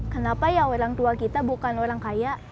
kenapa ya orang tua kita bukan orang kaya